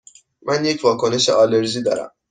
من یک واکنش آلرژی دارم.